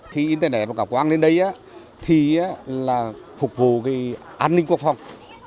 khi internet và cả quang lên đây thì là phục vụ cái an ninh quốc phòng